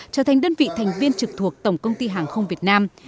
trở thành đơn vị thành viên trực thuộc tổng công ty hàng không việt nam